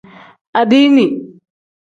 Adiini.